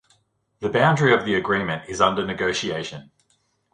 The boundary of the agreement is under negotiation.